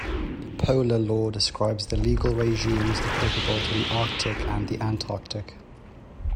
Polar Law describes the legal regimes applicable to the Arctic and the Antarctic.